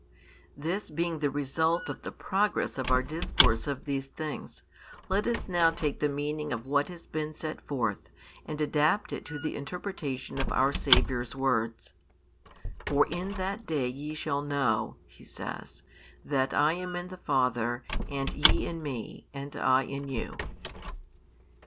This being the result of the progress of our discourse of these things, let us now take the meaning of what has been set forth, and adapt it to the interpretation of our Saviour's words: For in that day ye shall know, He says, that I am in the Father, and ye in Me, and I in you.